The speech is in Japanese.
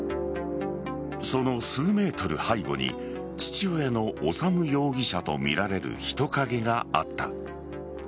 その数ｍ背後に父親の修容疑者とみられる人影があった。